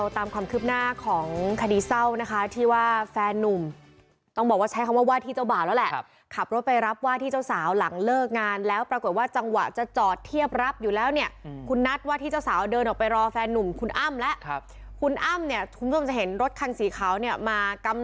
ตามความคืบหน้าของคดีเศร้านะคะที่ว่าแฟนนุ่มต้องบอกว่าใช้คำว่าว่าที่เจ้าบ่าวแล้วแหละขับรถไปรับว่าที่เจ้าสาวหลังเลิกงานแล้วปรากฏว่าจังหวะจะจอดเทียบรับอยู่แล้วเนี่ยคุณนัทว่าที่เจ้าสาวเดินออกไปรอแฟนนุ่มคุณอ้ำแล้วครับคุณอ้ำเนี่ยคุณผู้ชมจะเห็นรถคันสีขาวเนี่ยมากำ